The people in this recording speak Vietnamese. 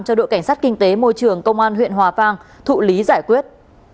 cho đội cảnh sát kinh tế môi trường công an huyện hòa vang thụ lý giải quyết